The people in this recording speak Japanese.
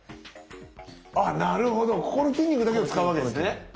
ああなるほどここの筋肉だけを使うわけですね。